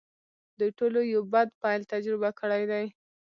دوی ټولو یو بد پیل تجربه کړی دی